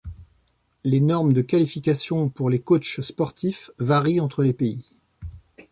Les normes de qualification pour les coaches sportifs varient entre les pays.